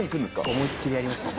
思い切りやりましたね。